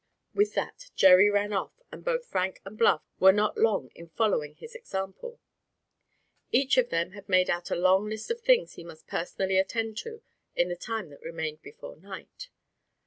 With that Jerry ran off, and both Frank and Bluff were not long in following his example. Each of them had made out a long list of things he must personally attend to in the time that remained before night.